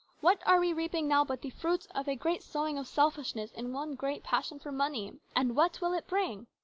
What are we reaping now but the fruits of a great sowing of selfishness in the one great passion for money, and what it will bring